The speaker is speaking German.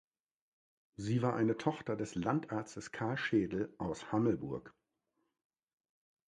Sie war eine Tochter des Landarztes Karl Schedel aus Hammelburg.